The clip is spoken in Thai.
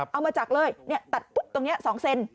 เอามาจากเลยตัดตรงนี้๒เซน